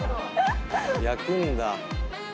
焼くんだ。